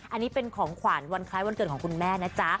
อันนี้เป็นของขวัญวันคล้ายวันเกิดของคุณแม่นะจ๊ะ